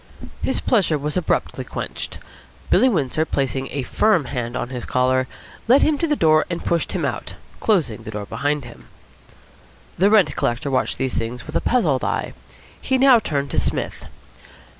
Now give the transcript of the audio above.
His pleasure was abruptly quenched. Billy Windsor, placing a firm hand on his collar, led him to the door and pushed him out, closing the door behind him. The rent collector watched these things with a puzzled eye. He now turned to Psmith.